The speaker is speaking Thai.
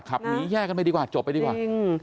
ขับหนีแยกกันไปดีกว่าจบไปดีกว่า